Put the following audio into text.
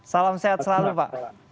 salam sehat selalu pak